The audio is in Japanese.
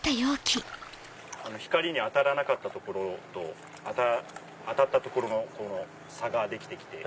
光に当たらなかった所と当たった所の差ができてきて。